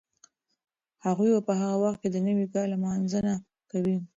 هغوی به په هغه وخت کې د نوي کال لمانځنه کوي.